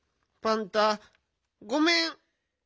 パンタごめん！